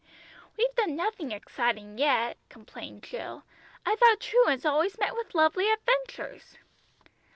"We've done nothing exciting yet," complained Jill. "I thought truants always met with lovely adventures."